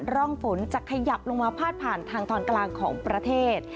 ร่องฝนจะขยับลงมาพาดผ่านทางตอนกลางของประเทศ